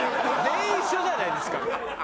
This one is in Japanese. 全員一緒じゃないですか。